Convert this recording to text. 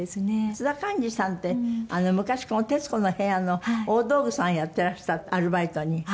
津田寛治さんって昔この『徹子の部屋』の大道具さんやってらしたってアルバイトに。